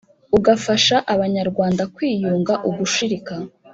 ugufasha abanyarwanda kwiyunga ugushirika